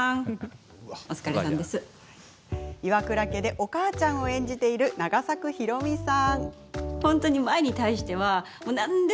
岩倉家で、お母ちゃんを演じている永作博美さん。